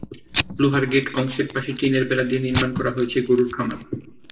লোহার গেট অংশের পাশে টিনের বেড়া দিয়ে নির্মাণ করা হয়েছে গরুর খামার।